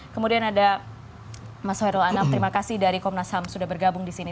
kemudian ada mas hoirul anam terima kasih dari komnas ham sudah bergabung di sini